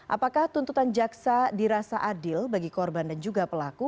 apakah tuntutan jaksa dirasa adil bagi korban dan juga pelaku